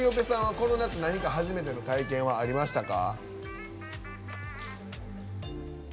この夏何か初めての体験はありましたか？